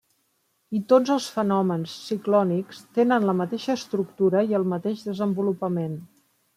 I tots els fenòmens ciclònics tenen la mateixa estructura i el mateix desenvolupament.